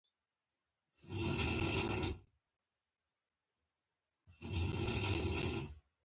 ماشومان د والدینو ټولنیز ځای میراث اخلي.